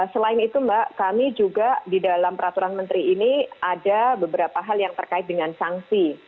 selain itu mbak kami juga di dalam peraturan menteri ini ada beberapa hal yang terkait dengan sanksi